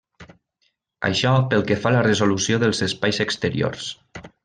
Això pel que fa a la resolució dels espais exteriors.